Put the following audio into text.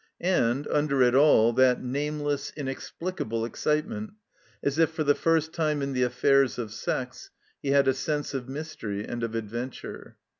And, under it all, that nameless, in explicable excitement, as if for the first time in the affairs of sex, he had a sense of mystery and of adventure.